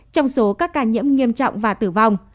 trong số các ca nhiễm nghiêm trọng và tử vong